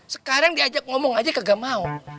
sekarang diajak ngomong aja kagak mau